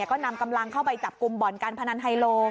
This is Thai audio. ก็นำกำลังเข้าไปจับกลุ่มบ่อนการพนันไฮโล